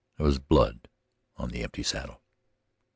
There was blood on the empty saddle.